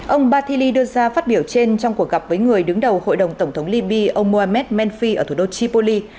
ông bathili đưa ra phát biểu trên trong cuộc gặp với người đứng đầu hội đồng tổng thống libya ông mohamed menfi ở thủ đô chipoli